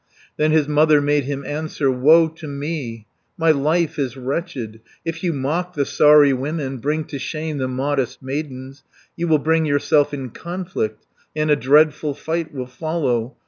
Then his mother made him answer; "Woe to me, my life is wretched. If you mock the Saari women, Bring to shame the modest maidens, You will bring yourself in conflict, And a dreadful fight will follow.